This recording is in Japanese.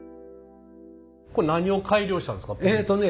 これ何を改良したんですか？